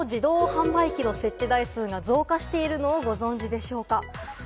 今、食品の自動販売機の設置台数が増加しているのをご存じでしょうか？